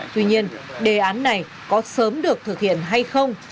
tuy nhiên đề án này có sớm được thực hiện hay không